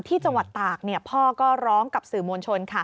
ที่จังหวัดตากพ่อก็ร้องกับสื่อมวลชน